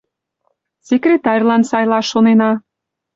Секретарьлан сайлаш шонена.